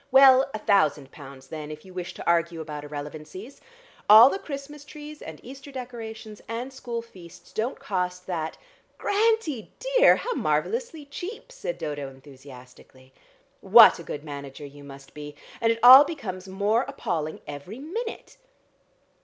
"Well, a thousand pounds then, if you wish to argue about irrelevancies. All the Christmas trees and Easter decorations and school feasts don't cost that " "Grantie dear, how marvellously cheap," said Dodo enthusiastically. "What a good manager you must be, and it all becomes more appalling every minute.